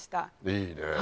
いいね。